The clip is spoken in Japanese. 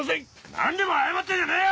何でも謝ってんじゃねえよ！